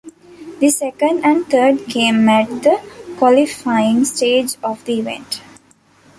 The second and third came at the qualifying stage of the event.